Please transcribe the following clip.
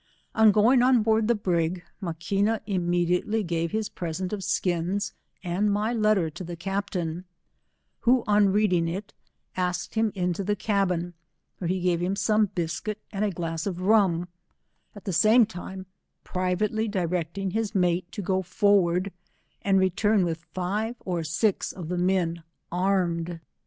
On going on board the brig, Maquina imme mediately gave his present of skins and my letter to the captain, who on readiug it, asked him into tl e cabin, where lie gave him some biscuitand aglass of rum, at the same time, privately directing his 185 mate to go forward, and return with five or six of the mea armed.